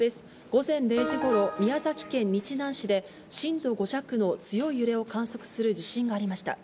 午前０時ごろ、宮崎県日南市で震度５弱の強い揺れを観測する地震がありました。